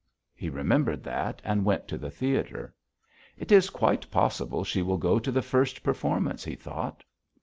'" He remembered that and went to the theatre. "It is quite possible she will go to the first performance," he thought.